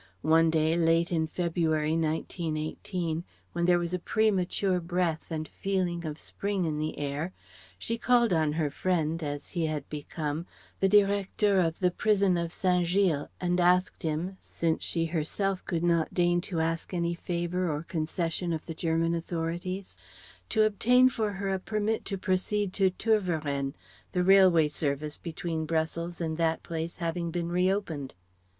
One day, late in February, 1918, when there was a premature breath and feeling of Spring in the air, she called on her friend as he had become the Directeur of the Prison of Saint Gilles, and asked him since she herself could not deign to ask any favour or concession of the German authorities to obtain for her a permit to proceed to Tervueren, the railway service between Brussels and that place having been reopened.